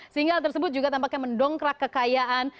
sehingga hal tersebut juga tampaknya mendongkrak kekayaan